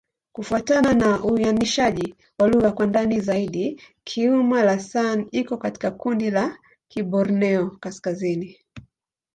Kufuatana na uainishaji wa lugha kwa ndani zaidi, Kiuma'-Lasan iko katika kundi la Kiborneo-Kaskazini.